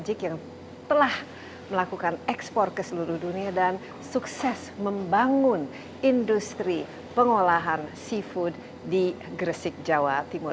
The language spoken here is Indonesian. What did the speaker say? rejik yang telah melakukan ekspor ke seluruh dunia dan sukses membangun industri pengolahan seafood di gresik jawa timur